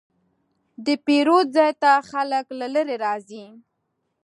د پیرود ځای ته خلک له لرې راځي.